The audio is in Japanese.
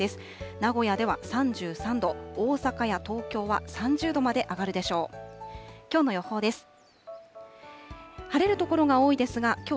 名古屋では３３度、大阪や東京は３０度まで上がるでしょう。